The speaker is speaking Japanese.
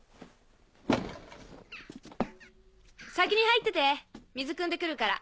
先に入ってて水くんで来るから。